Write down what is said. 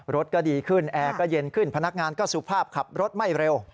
รถก็ดีขึ้นแอร์ก็เย็นขึ้นพนักงานก็สุภาพขับรถไม่เร็ว